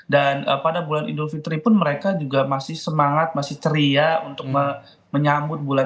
dan pada bulan idul fitri pun mereka juga masih semangat masih ceria untuk menyambut bulan